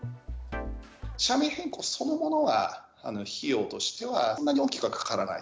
社名変更そのものは、費用としてはそんなに大きくはかからない。